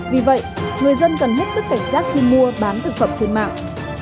vì vậy người dân cần hết sức cảnh giác khi mua bán thực phẩm trên mạng